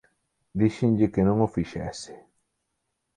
Díxenlle que non o fixese.